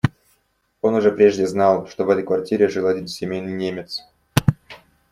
Он уже прежде знал, что в этой квартире жил один семейный немец.